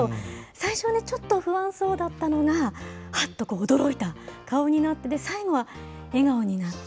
最初はちょっと不安そうだったのが、はっとこう、驚いた顔になって、最後は笑顔になる。